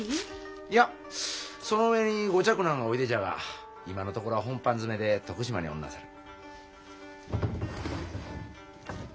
いやその上に御嫡男がおいでじゃが今のところは本藩詰めで徳島におんなさる。